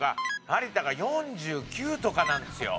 有田が４９とかなんですよ。